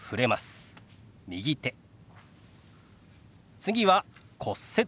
次は「骨折」。